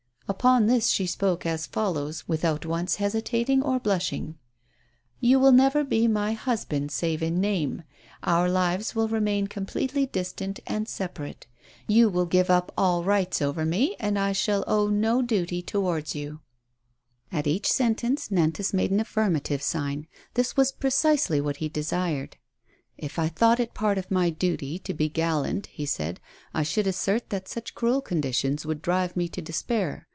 Upon this she spoke as follows, without once hesita ting or blushing: " You will never be my husband save in name. Our lives will remain completely distinct and separate. You will give up all rights over me, and I shall owe no duty towards you." 6 82 MADEMOISELLE FLAVIE. At each sentence Nantas made an affirmative sign. This was precisely what he desired. "If I thought it part of my duty to be gallant," he said, " I should assert that such cruel conditions would drive me to despair.